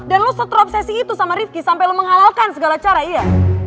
dan lo seteru obsesi itu sama rifqi sampai lo menghalalkan segala cara iya